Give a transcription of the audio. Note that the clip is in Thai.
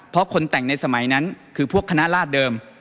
เพราะคนแต่งในสมัยนั้นคือพวกคณะราชเดิม